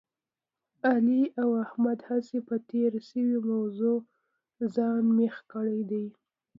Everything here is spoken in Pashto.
علي او احمد هسې په تېره شوې موضوع ځان مېخ کړی دی.